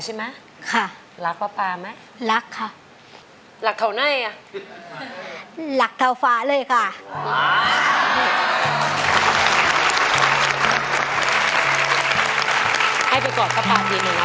ดีหนึ่งเอากันอย่างใจค่ะ